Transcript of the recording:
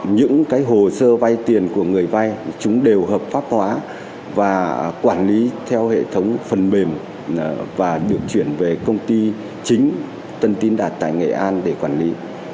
những hồ sơ vay tiền của người vay chúng đều hợp pháp hóa và quản lý theo hệ thống phần mềm và được chuyển về công ty chính tân tiến đạt tại nghệ an để quản lý